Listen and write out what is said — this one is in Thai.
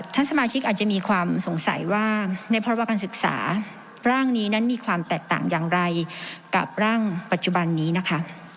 ท่านสมาชิกอาจจะมีความสงสัยว่าในพรบการศึกษาร่างนี้นั้นมีความแตกต่างอย่างไรกับร่างปัจจุบันนี้นะคะ